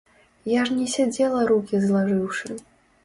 Я ж не сядзела рукі злажыўшы.